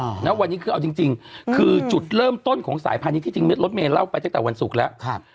เพราะวันนี้คือเอาจริงคือจุดเริ่มต้นของสายภัณฑ์นี้ที่จริงรถเมล์เล่าไปจากวันศุกร์แล้ว